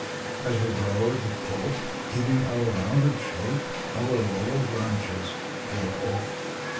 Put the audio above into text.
As we grow at the top, keeping our rounded shape, our lower branches drop off."